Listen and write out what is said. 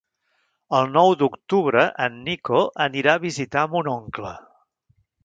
El nou d'octubre en Nico anirà a visitar mon oncle.